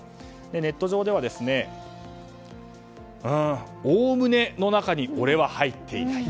ネット上では「おおむね」の中に俺は入っていない。